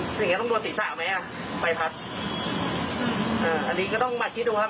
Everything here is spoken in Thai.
อย่างเงี้ต้องโดนศีรษะไหมอ่ะใบพัดอ่าอันนี้ก็ต้องมาคิดดูครับ